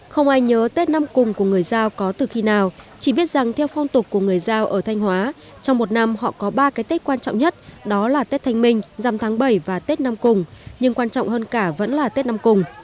không ai nhớ tết năm cùng của người giao có từ khi nào chỉ biết rằng theo phong tục của người giao ở thanh hóa trong một năm họ có ba cái tết quan trọng nhất đó là tết thanh minh dằm tháng bảy và tết năm cùng nhưng quan trọng hơn cả vẫn là tết năm cùng